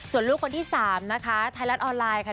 ส่วนลูกคนที่๓นะคะไทยรัฐออนไลน์ค่ะ